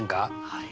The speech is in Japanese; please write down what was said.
はい。